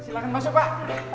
silahkan masuk pak